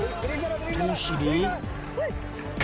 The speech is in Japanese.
どうする？